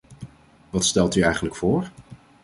Wat stelt u eigenlijk voor?